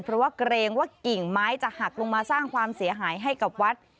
เพราะว่าเกรงว่ากิ่งไม้จะหักลงมาสร้างความเสียหายให้กับวัด